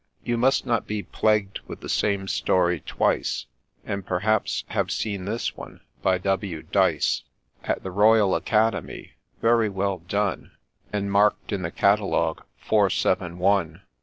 You must not be plagued with the same story twice, And perhaps have seen this one, by W. DYCE, At the Royal Academy, very well done, And mark'd in the catalogue Four, seven, one.